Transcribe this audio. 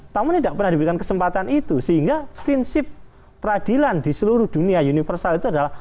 namun tidak pernah diberikan kesempatan itu sehingga prinsip peradilan di seluruh dunia universal itu adalah